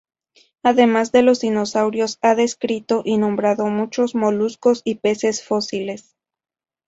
Además de los dinosaurios, ha descrito y nombrado muchos moluscos y peces fósiles.